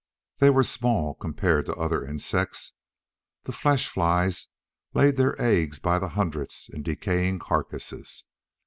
They were small compared to other insects. The flesh flies laid their eggs by the hundreds in decaying carcasses.